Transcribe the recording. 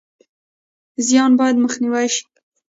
زیان باید مخنیوی شي